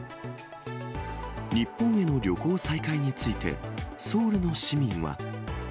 日本への旅行再開について、ソウルの市民は。